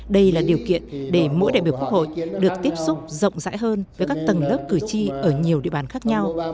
đây là điều kiện để mỗi đại biểu quốc hội được tiếp xúc rộng rãi hơn với các tầng lớp cử tri ở nhiều địa bàn khác nhau